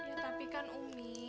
ya tapi kan umi